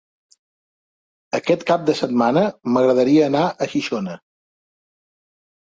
Aquest cap de setmana m'agradaria anar a Xixona.